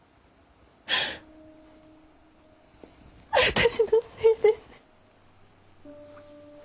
私のせいです。